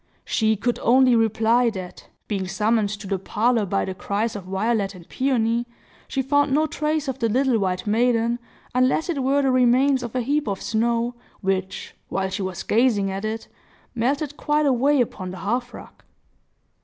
She could only reply, that, being summoned to the parlor by the cries of Violet and Peony, she found no trace of the little white maiden, unless it were the remains of a heap of snow, which, while she was gazing at it, melted quite away upon the hearth rug.